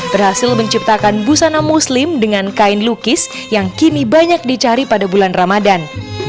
berhasil menciptakan busana muslim dengan kain lukis yang kini banyak dicari pada bulan ramadan